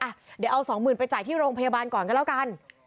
อ่ะเดี๋ยวเอาสองหมื่นไปจ่ายที่โรงพยาบาลก่อนก็แล้วกัน